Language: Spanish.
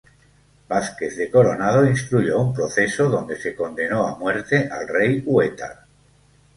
Vázquez de Coronado instruyó un proceso donde se condenó a muerte al rey huetar.